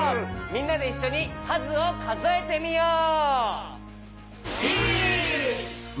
みんなでいっしょにかずをかぞえてみよう！